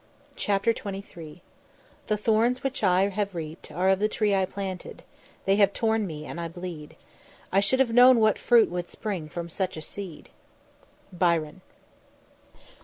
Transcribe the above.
CHAPTER XXIII "_The thorns which I have reap'd are of the tree I planted; they have torn me, and I bleed. I should have known what fruit would spring from such a seed_." BYRON.